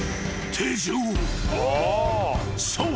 ［そう。